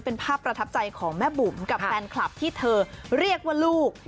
เป็นภาพประทับใจของแม่บุ๋มกับแฟนคลับที่เธอเรียกว่าลูก